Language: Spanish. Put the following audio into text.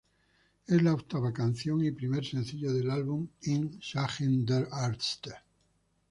Es la octava canción y primer sencillo del álbum Im Schatten der Ärzte.